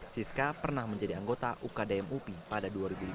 siska pernah menjadi anggota ukdm upi pada dua ribu lima